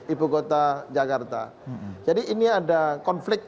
ibu kota jakarta jadi ini ada konflik